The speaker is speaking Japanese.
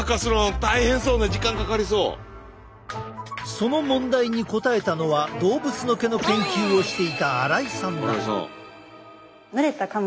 その問題に答えたのは動物の毛の研究をしていた荒井さんだ。